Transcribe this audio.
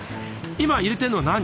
今入れてんのは何？